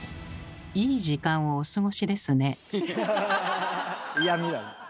いい時間をお過ごしですね。